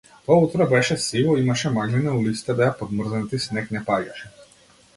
Тоа утро беше сиво, имаше маглина, а улиците беа помрзнати, снег не паѓаше.